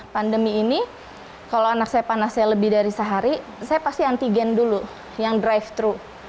pandemi ini kalau anak saya panasnya lebih dari sehari saya pasti antigen dulu yang drive thru